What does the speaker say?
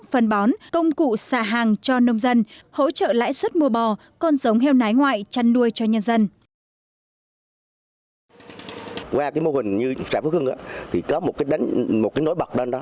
phân bón công cụ xả hàng cho nông dân hỗ trợ lãi suất mua bò con giống heo nái ngoại chăn nuôi cho nhân dân